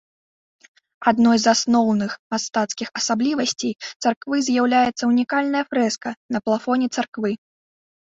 Адной з асноўных мастацкіх асаблівасцей царквы з'яўляецца ўнікальная фрэска на плафоне царквы.